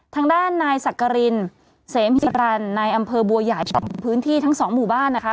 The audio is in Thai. ทางด้านนายสักกรินเสมหิรันนายอำเภอบัวใหญ่พื้นที่ทั้งสองหมู่บ้านนะคะ